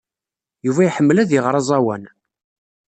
Yuba iḥemmel ad iɣer aẓawan.